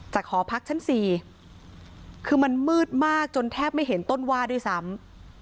หอพักชั้น๔คือมันมืดมากจนแทบไม่เห็นต้นว่าด้วยซ้ำ